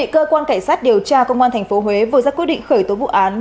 cơ quan cảnh sát điều tra công an tp huế vừa ra quyết định khởi tố vụ án